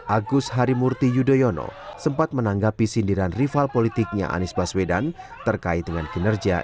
agus harimurti yudhoyono sempat menanggapi sindiran rival politiknya anies baswedan terkait dengan kinerja